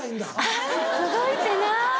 あぁ届いてない。